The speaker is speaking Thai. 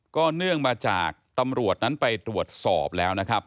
เนื่องมาจากตำรวจนั้นไปตรวจสอบแล้วนะครับ